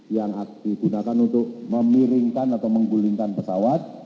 yang digunakan untuk memiringkan atau menggulingkan pesawat